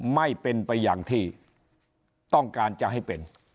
ไม่เป็นไปอย่างที่ต้องการจะให้เป็น